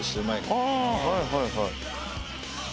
ああはいはいはい。